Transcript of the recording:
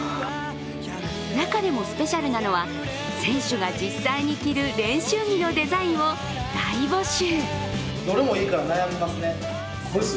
中でもスペシャルなのは選手が実際に着る練習着のデザインを大募集。